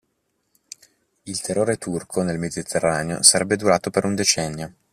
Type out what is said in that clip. Il "terrore turco" nel Mediterraneo sarebbe durato per un decennio.